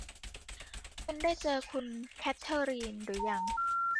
คุณได้เจอคุณแคทเทอรีนรึยัง